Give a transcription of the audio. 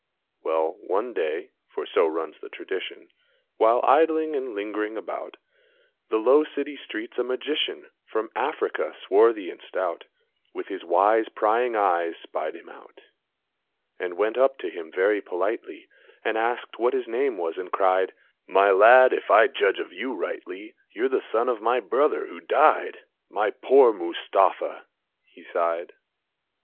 Well, one day for so runs the tradition While idling and lingering about The low city streets, a Magician From Africa, swarthy and stout, With his wise, prying eyes spied him out, And went up to him very politely, And asked what his name was and cried: "My lad, if I judge of you rightly, You're the son of my brother who died My poor Mustafa!" and he sighed.